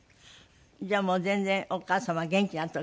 じゃあもう全然お母様元気な時。